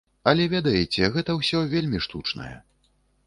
Але ведаеце, гэта ўсё вельмі штучнае.